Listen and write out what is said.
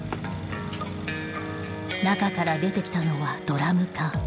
中から出てきたのはドラム缶。